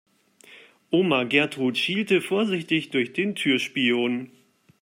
Oma Gertrud schielte vorsichtig durch den Türspion.